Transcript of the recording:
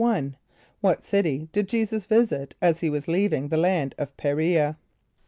= What city did J[=e]´[s+]us visit, as he was leaving the land of P[+e] r[=e]´a?